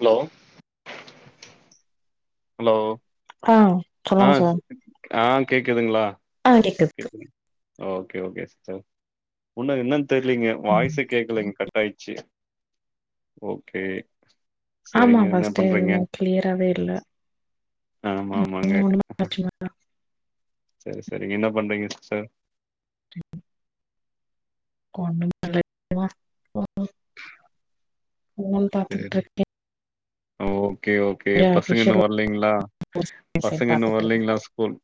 Allow hello ஆ ஆ சொல்லுங்க சார் ஆ கேக்குதுங்ளா ஆ கேக்குது ஓகே ஓகே சிஸ்டர் முன்ன என்னன் தெர்லீங்க ம் வாய்சே கேக்லேங்க க ட்டாய்ச்சி ஓகே ஆமா சரிங்க என்ன ஃபஸ்ட்டு பண்றீங்க எதுமே க்ளியராவே இல்ல ஆமாமாங்க [unintelligible] செரி செரிங்க என்ன பண்றீங்க சிஸ்டர் [inaudible] சேரி இருக்கேன் ஓகே ஓகே கொஞ்சம் பசங்க அபிஷியல் இன்னு வர்லைங்ளா மெசேஜ் பசங்க இன்னு பாத்துட்டு இருக்கேன் வர்லைங்ளா ஸ்கூல்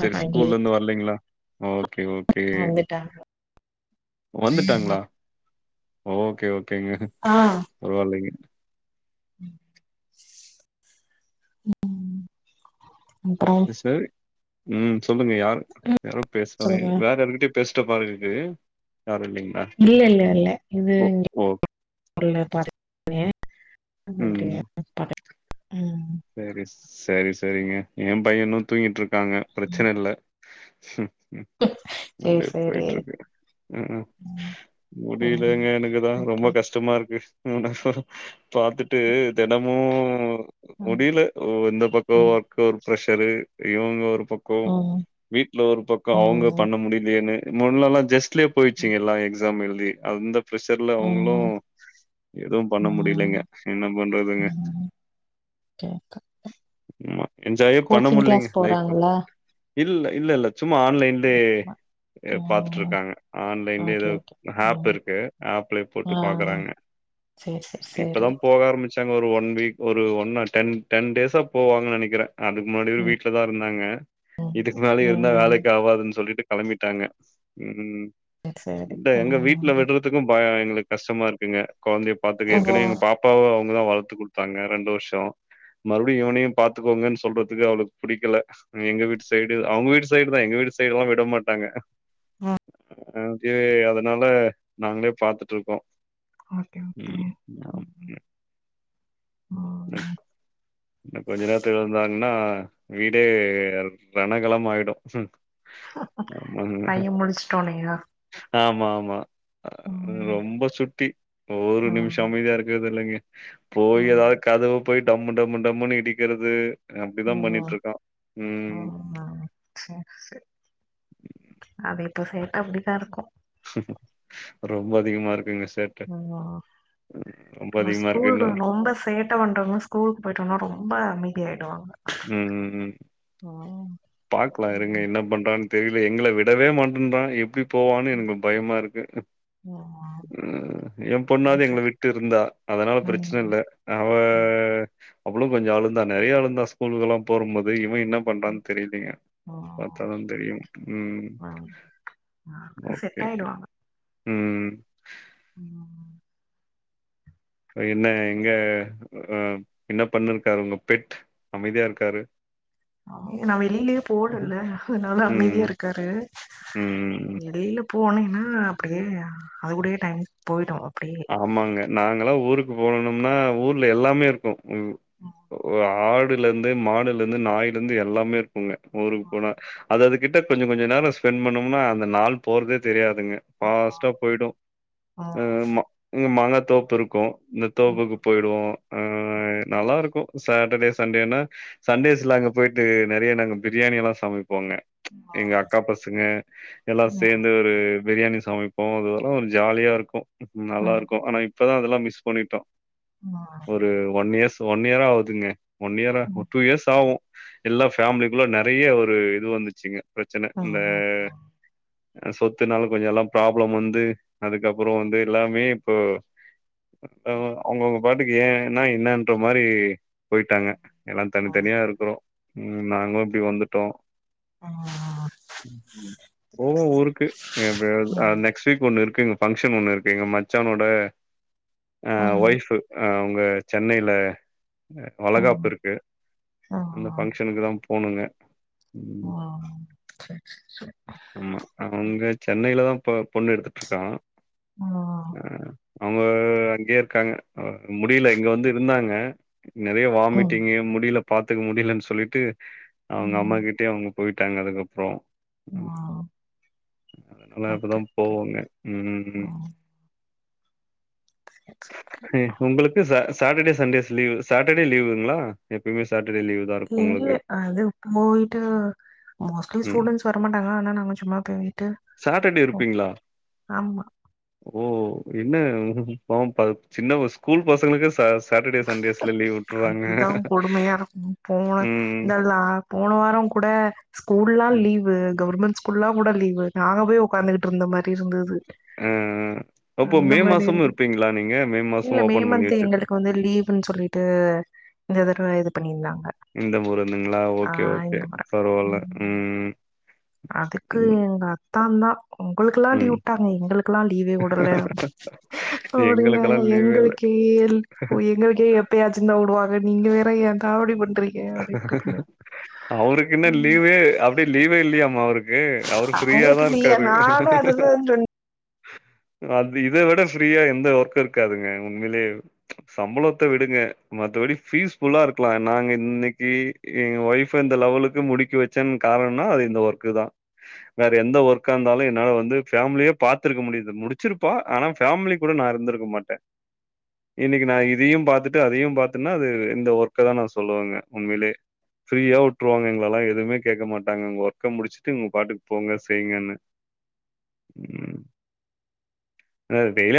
செரி ஆஹா இங்கே ஸ்கூல்லந்து வரலைங்ளா ஓகே ஓகே வந்துட்டாங்க வந்துட்டாங்ளா ஓகே ஓகேங்க ஆ பர்வால்லைங்க ம் அப்றோ செரி ம் சொல்லுங்க யார் ம் யாரோ பேசுறாங் சொல்லுங்க வேற வீட்டுக் பேஸ்டபாரியிருக்கு யாரு இல்லிங் இல்லெல்ல இல்ல இது [inaudible] சேரி சேரி சேரிங்க எ பையனு தூங்கிட்ருக்காங்க ம் பிரச்சன இல்ல சேரி அப்டியே சேரி போய்ட்ருக்கு ம் ம் முடிலேங்க எனக்குதா ரொம்ப ஓகே கஷ்டமாருக்கு பாத்துட்டு தெனமு ம் முடில ஓ இந்த பக்கோ ம் ஒர்க்கொரு ப்ரெஷரு இவுங்க ஒரு பக் கோ ம் ம் வீட்ல ஒரு பக்கோ அவுங்க ம் பண்ண முடிது என்ன முன்னல்லா ஜஸ் ட்லே போய்ச்சி எல்லா எக்ஸாம் எழுதி அந்த ப்ரெஷர்ல அவுங்ளு ம் எது பண்ண முடிலங்க ம் என்ன பண்றதுங்க கேக்க ம்மா என்ஜாயே பண்ண முட்லீங்க கிளாஸ் லைஃப்ஃபு போறாங்களா இல்ல இல்லெல்ல சும்மா ஆன்லைன் ல்லே ம் பாத்துட்ருக்காங்க ஆன்லைன்லே ஓகே எதோ ஓகே அ ஹாப் ம் இருக்கு ஆப்லயே போட்டு பாக்கறாங்க சேர் சேர் சேரி போக ஆரம்பிச்சாங்க ஒரு ஒன் வீக் ஒரு ஒன் ஆர் டென் டென் டேஸா போவாங்கன் நெனைக்கிறே அதுக்கு முன்னாடியு ம் வீட்லதா இருந்தாங்க இதுக்கு மேலேயு இருந்தா ம் வேலைக்கு ஆவாதுன் சொல்லிட்டு கெளம்பிட்டாங்க ம் சேரி இன்ட எங்க வீட்ல ம் விட்ற துக்கு பயோ எங்ளுக்கு கஷ்டமாருக்குங்க கொழந்தைய பாத்துக்க ஓ ஏற்கனவே எங்க பா ப்பாவ அவுங்க தா வள்த்து குட்த்தாங்க ரெண்டு வர்ஷோ மறுப்டியு இவனயு பாத்துக்கோங்கன் சொல்றதுக்கு அவ்ளுக்கு புடிக்கல எங்க வீட்டு சைடு அவுங்க வீட்டு சைடு தா எங்க வீட்டு சைடுல்லா விட மாட்டாங்க ம் [unintelligible] அதனால நாங்ளே பாத்துட்ருக்கோ ம் ஆ [unintelligible] இன்னு கொஞ்ச நேரத்துல எழுந்தாங்ன்னா வீடே ரணகலமாய்டு ஆமாங்க பைய முடிச்சுட்டோனையா ஆமா ஆமா ம் ரொம்ப சுட்டி ஒரு நிம்ஷோ ம் அமைதியா இருக்றது இல்லைங்க போய் ம் எதா கதவ போய் டம்மு டம்மு டம்முனு இடிக்கிறது அப்டிதா பண்ணிட்ருக்கா ம் ஆ செர் சே அது இப்ப சேட்ட அப்டித்தாருக்கு ரொம்ப அதிகமா இருக்குங்க சே நாங்கோ அ அதிகமா இருக்குன்னு ஸ்கூல்கள் நொம்ப சே ட்ட பண்றவங்க ஸ்கூல்க் போயிட்டம்னா ரொம்ப அமைதி ஆய்டுவாங்க. ம் ம் ம். ம். பாக்லா இருங்க என்ன பண்றான் தெரில எங்கள விடவே மாட்டன்றா எப்டி போவான்னு எனுக்கு பயமா இருக்கு. ம் ம். ம் எ பொண்ணாது எங்கள செட் விட்டு இருந்தா அதனால பிரச்சன ம். இல்ல. ம். அவுளு கொஞ்சொ அழுந்தா நெறையா அழுந்தா ஸ்கூல்கெல்லாம் போரும்போது இவ என்ன ம். பண்றான் தெரிலீங்க ஓ! பாத்தாதா தெரியு ம். ஆக்கு செட்டாய்டுவாங்க. ம் ம் ம். [inaudible] அ என்ன எங்க அ என்ன பண்ணிருக்காரு உங்க பெட் அமைதியா இருக்காரு. அ நா வெளிலியே போவுல அதுனால அமைதியா ம். இருக்காரு ம். வெளியில போனேன்னா அப்டியே அது கூடயே டைம் போய்டு அப்டியே. ஆமாங்க நாங்கல்லா ஊருக்கு போணணும்னா ஊர்ல எல்லாமே இருக்கு வ் ஒ ஒ ஆடு லந்து மாடுலந்து நாயிலிந்து எல்லாமே இருக்குங்க ஊருக்கு போனா அததுக் கிட்ட கொஞ்சொ கொஞ்சொ நேரோ ஸ்பெண் பண்ணம்னா அந்த நாள் போறதே தெரியாதுங்க. பாஸ்ட்டா போயிடு அ மா இங்க மாங்கா தோப்புருக்கு. இந்த தோப்புக்கு போயிருவோ அ நல்லா இருக்கு சேட்டடே சண்டேனா சண்டேஸ்ல அங்க போயிட்டு நெறைய நாங்க பிரியாணி எல்லா சமைப்போ அங்க. எங்க அக்கா பசங்க எல்லார் சேந்து ஒரு பிரியாணி சமை ப்போ அது இதுல்லா ஒரு ஜாலியா இருக்கு நல்லா இருக்கு ஆனா இப்பதா அதெல்லா மிஸ் பண்ணிட்டோ. ஒரு ஒன் இயர்ஸ் ஒன் இயர் ஆவுதுங்க ஒன் இயரா ஒர் டூ இயர்ஸ் ஆவு. எல்லா ஃபேமிலிக்குள்ள நறைய ஒரு இது வந்துச்சுங்க பிரச்சன இந்த அ சொத்துனால கொஞ்சோ எல்லாம் ப்ராப்ளம் வந்து அதுக்கப்புறோ வந்து மே இப்போ அவுங்க அவுங்கவுங்க பா ட்டுக்கு ஏன்னா என்னான்ற மாரி போய்ட்டாங்க. எல்லா தனித்தனியா இருக்குறோ. ம் நாங்குளு இப்டி வந்துட்டோ. ம்ஹு போவோ ஊருக்கு அ எப்பயாவ்து அ நெக்ஸ்ட் வீக் ஒண்ணு இருக்குங் பங்க்ஷன் ஒண்ணு இரு து எங்க மச்சானோட அ ஒய்ஃபு அ அவுங்க சென்னைல அ வளகாப்பு இருக்கு அந்த பஃங்க்ஷன்க்குதா போணுங்க. ம். ஆமா அவுங்க சென்னைல தா ப பொண்ணு எடுத்துட்ருக்கா. [unintelligible] அ அவுங்க அங்யே இருக்காங்க அ முடில இங்க வந்து இருந்தாங்க நெறைய வாமிட்டிங்கி முடில பாத்துக்க முடிலன் சொல்லிட்டு அவுங்க அம்மாகிட்டியே அவுங்க போயிட்டாங்க அதுக்கப்றோ ம் அதுனால இப்பதாம் போவோங்க ம் ம் ம். [inaudible] அ உங்குளுக்கு ச சேட்டடே சண்டேஸ் லீவு சேட்டடே லீவுங்ளா எப்பிமே சேட்டடே லீவு தான் இருக்கும் உங்களுக்கு. என்கில்லே அது போய்ட்டு மோஸ்ட்லி ம். ஸ்டூடென்ட்ஸ் வரமாட்டாங்க ஆனா நாங்க சும்மா போய்ட்டு சேட்டர்டே இருப்பிங்ளா? ஆமா. ஓ இன்ன பாவோ ப சின்னவ ஸ்கூல் பசங்களுக்கு சாஸ் சேட்டடே சண்டேஸ்ல லீவு அதுதா கொடுமையா இருக்குது போங்க இந்த லா போன வாரங் கூட ஸ்கூல்லா ம். லீவு கவர்மெண்ட் ஸ்கூல்லாங் கூட லீவு நாங்க போய் ஒ உட்காந்துட்டு இருந்த மாறி இருந்தது ஆ அப்போ அந்த மே மாறி மாசமு இருக்கு இருப்பீங்களா நீங்க? மே இல்ல மாசமு மே ஓப்பன் பண்ணி மன்த் வச்சிருக்க எங்களுக்கு வந்து லீவ் ன்னு சொல்லிட்டு இந்த தடவை இது பண்ணியிருந்தாங்க இந்த ஊர்ல இருந்துங்களா ஓகே ஆஹ் ஓகே இந்த பரவால்ல முறை உ அதுக்கு எங்க அத்தான்தா உங்களுகெல்லா லீவ் ம். விட்டாங்க எங்களுகுல்லா லீவே விடல எங்களுக்கெல்லா [unintelligible] லீவே இல்ல. எங்களுக்கே எங்களுக்கே எப்பயாச்சு தா விடுவாங்க நீங்க வேற ஏன் காமெடி பண்ட்றி அவருக்கென்ன லீவு அப்படியே லீவே இல்லையாம அவருக் அவரு ஃப்ரீயாதா அவங்களுக்கு லீவ் இருக்காரு நானு அதுதா சொன்னே அது இதை விட ஃப்ரீயா எந்த ஒர்க் இருக்காதுங்க உண்மையிலே சம்பளத்த விடுங்க மத்தபடி பீஸ் ஃபுல்லா இருக்கலா நாங்க இன்னைக்கு எங்க வைஃப் இந்த லெவலுக்கு முடிக்க வச்சேன்னு காரணம்னா அது இந்த ஒர்க்கு தா வேற எந்த ஒர்க்கா இருந்தாலு என்னால வந்து ஃபேமிலிய பாத்துருக்க முடியுது முடிச்சிருப்போ ஆனா ஃபேமிலி கூட நா இருந்திருக்க மாட்டே இன்னைக்கு நா இதையு பாத்துட்டு அதையு பாத்துன்னா அது இந்த ஒர்க்கதா நா சொல்லுவேங்க உண்மையிலே ஃப்ரீயா உட்ருவாங்க எங்களெல்லா எதுமே கேட்க மாட்டாங்க உங்க ஒர்க்க முடிச்சுட்டு ங்க பாட்டுக்கு போங்க செய்ங்கன்னு ம்ம் [unintelligible]